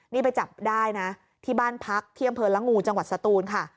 นี่ไปจับได้นะที่บ้านพักที่อำเภอละงูจังหวัดสตูนค่ะ